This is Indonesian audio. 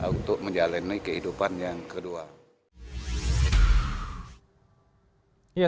untuk menjalani kehidupan yang kedua